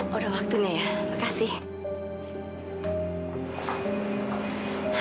sudah waktunya ya terima kasih